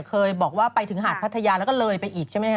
เคยบอกว่าไปถึงหาดพัทยาแล้วก็เลยไปอีกใช่ไหมฮ